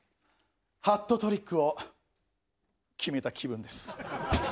ハットトリックを決めた気分です。